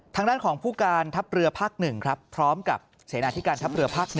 ทางด้านของผู้การทัพเรือภาค๑ครับพร้อมกับเสนาที่การทัพเรือภาค๑